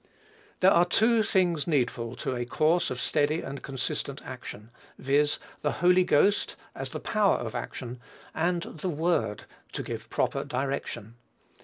There are two things needful to a course of steady and consistent action, viz., the Holy Ghost, as the power of action, and the word to give proper direction.